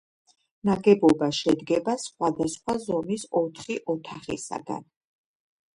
ნაგებობა შედგება სხვადასხვა ზომის ოთხი ოთახისაგან.